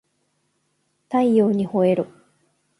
太陽にほえろ